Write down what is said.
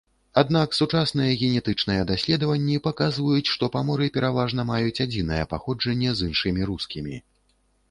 Аднак сучасныя генетычныя даследаванні паказваюць, што паморы пераважна маюць адзінае паходжанне з іншымі рускімі.